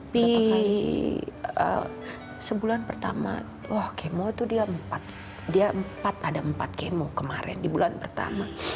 di sebulan pertama kemoh itu dia ada empat kemoh kemarin di bulan pertama